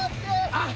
あっ！